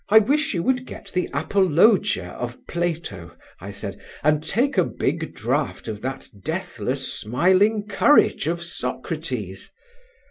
"I wish you would get the 'Apologia of Plato'," I said, "and take a big draught of that deathless smiling courage of Socrates."